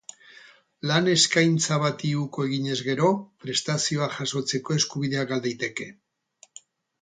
Lan eskaintza bati uko eginez gero, prestazioa jasotzeko eskubidea gal daiteke.